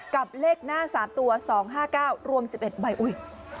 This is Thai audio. กับเลขหน้า๓ตัว๒๕๙รวม๑๑ใบอุ๊ย